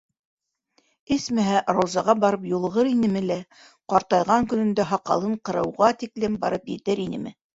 Эсмәһә, Раузаға барып юлығыр инеме лә, ҡартайған көнөндә һаҡалын ҡырыуға тиклем барып етер инеме?